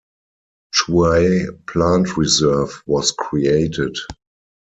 Chuae Plant Reserve was created.